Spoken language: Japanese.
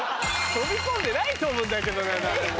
飛び込んでないと思うんだけどね誰も。